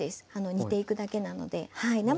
煮ていくだけなので。